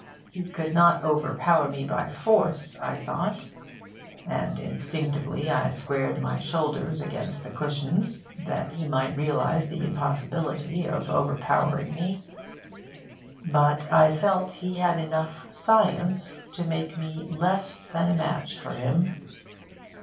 He could not overpower me by force, I thought (and instinctively I squared my shoulders against the cushions, that he might realise the impossibility of overpowering me), but I felt he had enough 'science' to make me less than a match for him.